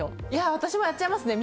私もやっちゃいますね